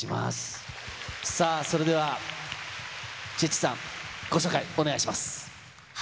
それでは、チッチさん、ご紹介、お願いします。